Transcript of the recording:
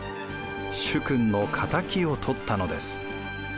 主君の敵を取ったのです。